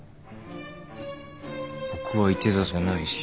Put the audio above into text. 僕は射手座じゃないし。